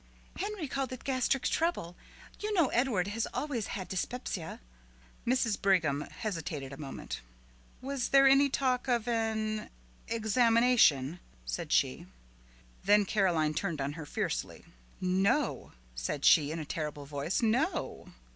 "Henry called it gastric trouble. You know Edward has always had dyspepsia." Mrs. Brigham hesitated a moment. "Was there any talk of an examination?" said she. Then Caroline turned on her fiercely. "No," said she in a terrible voice. "No."